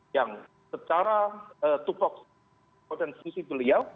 yang secara tupuk konten sisi beliau